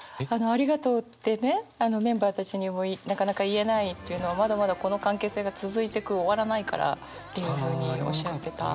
「ありがとう」ってねメンバーたちにもなかなか言えないというのをまだまだこの関係性が続いてく終わらないからっていうふうにおっしゃってた。